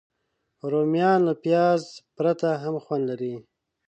رومیان له پیاز پرته هم خوند لري